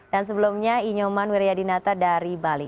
dan sebelumnya inyoman weryadinata dari bali